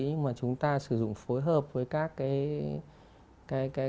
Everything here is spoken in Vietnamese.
nhưng mà chúng ta sử dụng phối hợp với các cái